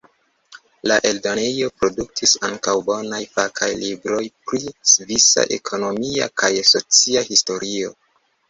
La eldonejo produktis ankaŭ bonaj fakaj libroj pri svisa ekonomia kaj socia historio.